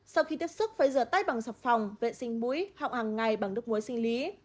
sau khi tiếp xúc phải rửa tay bằng sập phòng vệ sinh mũi học hàng ngày bằng nước mũi sinh lý